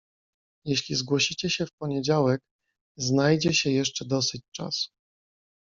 "Jeśli zgłosicie się w poniedziałek, znajdzie się jeszcze dosyć czasu."